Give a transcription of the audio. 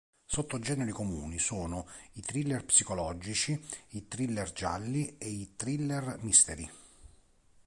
Sottogeneri comuni sono i "thriller" psicologici, i "thriller" gialli e i "thriller" mystery.